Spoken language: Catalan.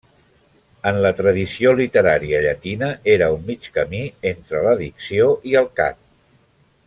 En la tradició literària llatina, era un mig camí entre la dicció i el cant.